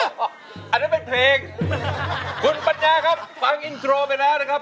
อันนั้นเป็นเพลงคุณปัญญาครับฟังอินโทรไปแล้วนะครับ